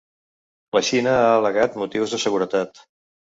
La Xina ha al·legat ‘motius de seguretat’.